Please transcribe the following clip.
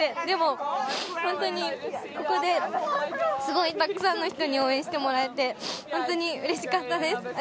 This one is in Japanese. でも、本当にここで、すごいたくさんの人に応援してもらえて、本当にうれしかったです。